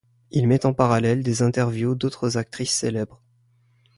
Il met en parallèle des interviews d'autres actrices célèbres.